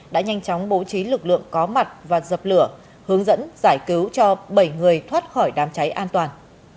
đã nhanh chóng bố trí lực lượng có mặt và dập lửa hướng dẫn giải cứu cho bảy người thoát khỏi đám cháy an toàn